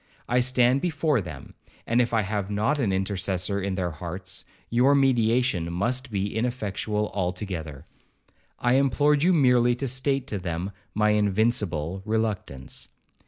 I stand before them, and if I have not an intercessor in their hearts, your mediation must be ineffectual altogether. I implored you merely to state to them my invincible reluctance.'